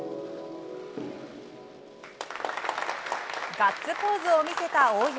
ガッツポーズを見せた大岩。